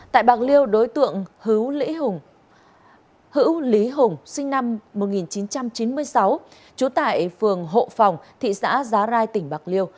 tại bạc liêu đối tượng hữu hùng hữu lý hùng sinh năm một nghìn chín trăm chín mươi sáu trú tại phường hộ phòng thị xã giá rai tỉnh bạc liêu